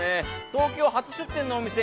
東京初出店のお店